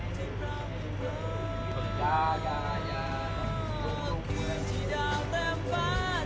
มันเหมือนไปไกลมองไม่เห็นเป็นดาว